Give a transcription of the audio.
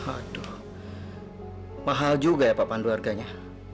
aduh mahal juga ya pak pandu harganya